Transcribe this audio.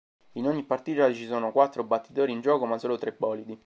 In ogni partita ci sono quattro battitori in gioco, ma solo tre bolidi.